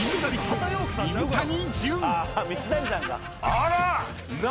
あら！